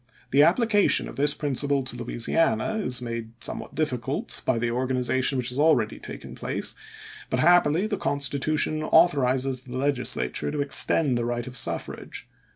.. The application of this principle to Louisiana is made somewhat dif ficult by the organization which has already taken place, but happily the constitution authorizes the Legislature to extend the right of suffrage.